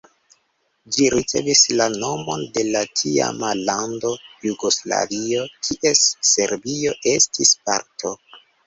Ĝi ricevis la nomon de la tiama lando Jugoslavio, kies Serbio estis parto.